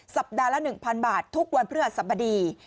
สัปดาห์ละ๑๐๐๐บาททุกวันเพื่อสรรพดี